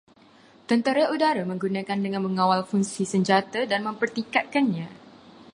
Tentera udara menggunakan dengan mengawal fungsi senjata dan mempertingkatkannya